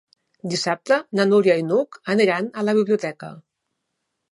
Dissabte na Núria i n'Hug aniran a la biblioteca.